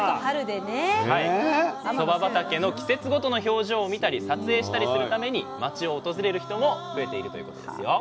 そば畑の季節ごとの表情を見たり撮影したりするために町を訪れる人も増えているということですよ。